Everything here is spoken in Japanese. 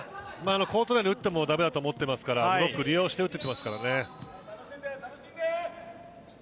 コート内に打っても駄目だと思っていますからブロックを利用して打ってきますからね。